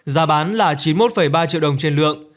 giá bán là chín mươi một ba triệu đồng trên lượng